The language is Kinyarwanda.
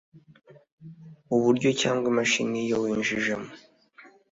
uburyo cyangwa imashini iyo winjijemo